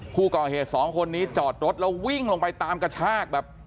ผู้ก่อเหตุสองคนนี้จอดรถแล้ววิ่งลงไปตามกระชากแบบ